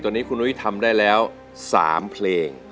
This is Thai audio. ตอนนี้คุณนุ้ยทำได้แล้ว๓เพลง